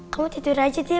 kamu tidur aja deh